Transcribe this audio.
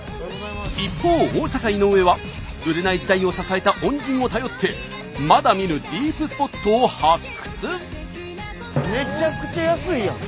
一方大阪井上は売れない時代を支えた恩人を頼ってまだ見ぬディープスポットを発掘！